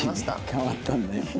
変わったんだ。